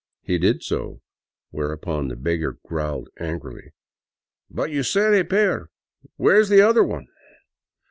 He did so, whereupon the beggar growled angrily :" But you said a pair! Where is the other one?"